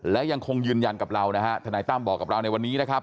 และยังคงยืนยันกับเรานะฮะทนายตั้มบอกกับเราในวันนี้นะครับ